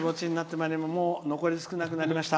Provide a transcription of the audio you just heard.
もう残り少なくなりました。